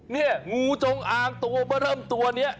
เนี่ยงูจงอางตัวเมื่อเริ่มตัวเนี่ย